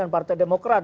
dan partai demokrat